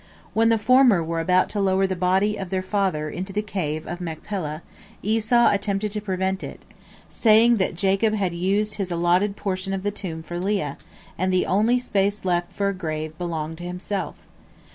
When the former were about to lower the body of their father into the Cave of Machpelah, Esau attempted to prevent it, saying that Jacob had used his allotted portion of the tomb for Leah, and the only space left for a grave belonged to himself.